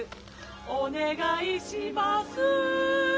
お願いします